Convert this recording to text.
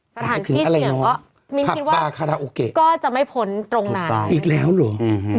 สถานที่เสี่ยงก็มีนคิดว่าก็จะไม่พ้นตรงนั้นอีกแล้วหรือ